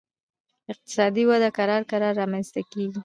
اقتصادي وده کرار کرار رامنځته کیږي